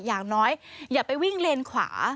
อย่างน้อยอย่าไปวิ่งเลนขวา